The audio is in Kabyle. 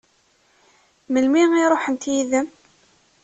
Melmi i ṛuḥent yid-m?